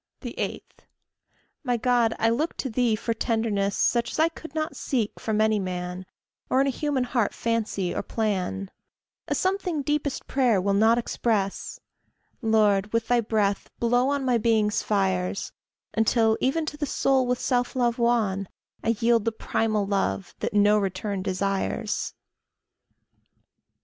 8. My God, I look to thee for tenderness Such as I could not seek from any man, Or in a human heart fancy or plan A something deepest prayer will not express: Lord, with thy breath blow on my being's fires, Until, even to the soul with self love wan, I yield the primal love, that no return desires.